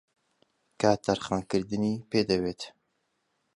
کات تەرخانکردنی پێدەوێت